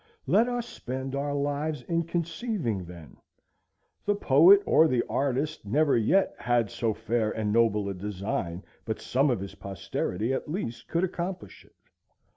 Let us spend our lives in conceiving then. The poet or the artist never yet had so fair and noble a design but some of his posterity at least could accomplish it.